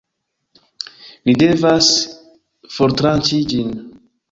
Ni devas fortranĉi ĝin